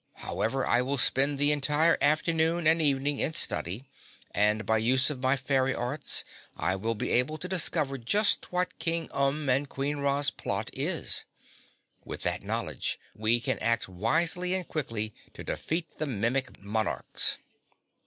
However, I will spend the entire afternoon and evening in study, and by use of my fairy arts I will be able to discover just what King Umb and Queen Ra's plot is. With that knowledge we can act wisely and quickly to defeat the Mimic Monarchs."